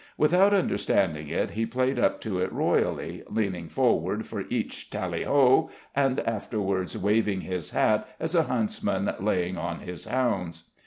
Without understanding it he played up to it royally, leaning forward for each tally ho! and afterwards waving his hat as a huntsman laying on his hounds.